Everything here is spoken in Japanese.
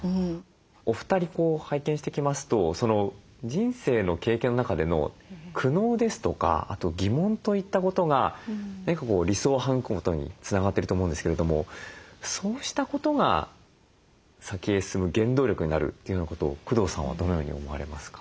お二人こう拝見してきますと人生の経験の中での苦悩ですとかあと疑問といったことが何か理想を育むことにつながってると思うんですけれどもそうしたことが先へ進む原動力になるというようなことを工藤さんはどのように思われますか？